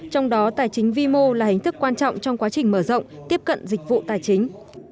trong đó tài chính vi mô là hình thức quan trọng trong quá trình mở rộng tiếp cận dịch vụ tài chính